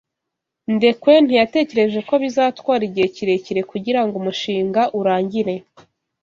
Ndekwe ntiyatekereje ko bizatwara igihe kirekire kugirango umushinga urangire.